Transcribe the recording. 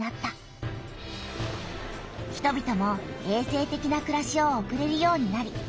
人びともえい生てきなくらしを送れるようになり